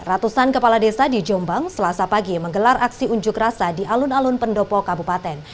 ratusan kepala desa di jombang selasa pagi menggelar aksi unjuk rasa di alun alun pendopo kabupaten